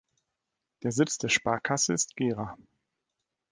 Der Sitz der Sparkasse ist Gera.